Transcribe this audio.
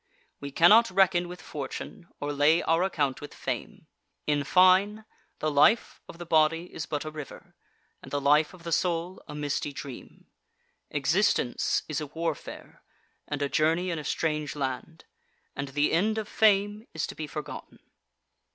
We cannot reckon with fortune, or lay our account with fame. In fine, the life of the body is but a river, and the life of the soul a misty dream. Existence is a warfare, and a journey in a strange land; and the end of fame is to be forgotten.